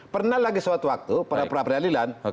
pernah lagi suatu waktu para prapredilan